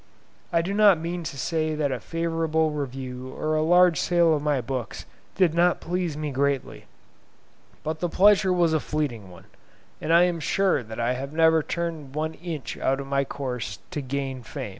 I do not mean to say that a favourable review or a large sale of my books did not please me greatly, but the pleasure was a fleeting one, and I am sure that I have never turned one inch out of my course to gain fame.